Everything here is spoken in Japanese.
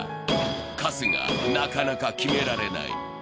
春日、なかなか決められない。